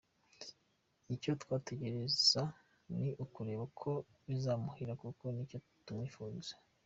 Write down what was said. Icyo twategereza ni ukureba uko bizamuhira kuko nicyo tumwifuriza.